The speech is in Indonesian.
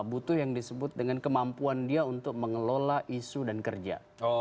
butuh yang disebut dengan kemampuan dia untuk mengelola isu dan kerja